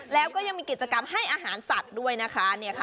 แล้วก็ยังมีกิจกรรมให้อาหารสัตว์ด้วยนะคะ